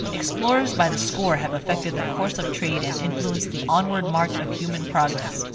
Explorers by the score have affected the course of trade and influenced the onward march of human progress.